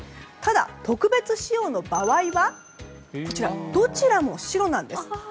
特別仕様の場合はどちらも白なんです。